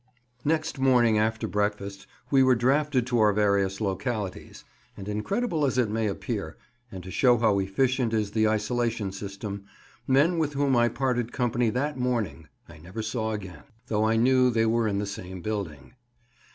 NEXT morning after breakfast we were drafted to our various localities, and, incredible as it may appear, and to show how efficient is the isolation system, men with whom I parted company that morning I never saw again, though I knew they were in the same building.